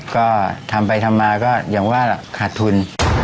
ก็ทำไปทำมาก็อย่างว่าขาดทุน